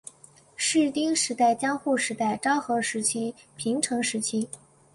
室町时代江户时代昭和时期平成时期